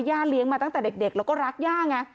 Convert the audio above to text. เลี้ยงมาตั้งแต่เด็กแล้วก็รักย่าไง